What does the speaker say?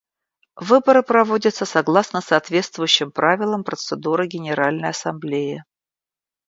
Выборы проводятся согласно соответствующим правилам процедуры Генеральной Ассамблеи.